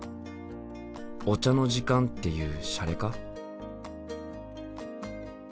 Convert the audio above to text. お茶の時間っていうシャレか？